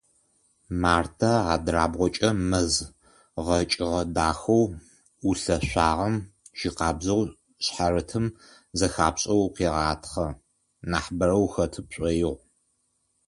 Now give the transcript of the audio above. Мартэ адырабгъукӏэ мэз гъэкӏыгъэ дахэу ӏулъэшъуагъэм жьы къабзэу шъхьарытым зэхапшӏэу укъегъатхъэ, нахьыбэрэ ухэты пшӏоигъу.